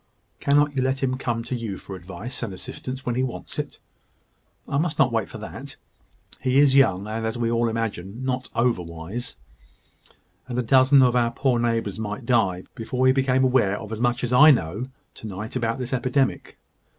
"Cannot you let him come to you for advice and assistance when he wants it?" "I must not wait for that. He is young, and, as we all imagine, not over wise: and a dozen of our poor neighbours might die before he became aware of as much as I know to night about this epidemic.